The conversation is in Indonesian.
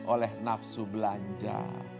oleh nafsu belanja